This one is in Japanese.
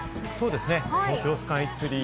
東京スカイツリー。